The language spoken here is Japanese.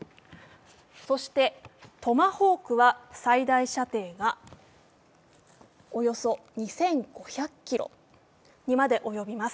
そしてトマホークは最大射程がおよそ２５００ｋｍにまで及びます。